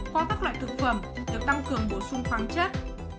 có các loại thực phẩm được tăng cường bổ sung khoáng chất